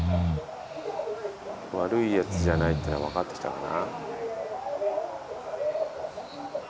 悪いヤツじゃないっていうのは分かって来たかな？